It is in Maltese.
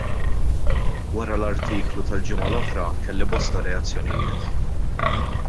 Wara l-artiklu tal-ġimgħa l-oħra, kelli bosta reazzjonijiet.